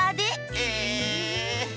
え！